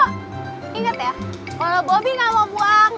kalau bobby gak mau buang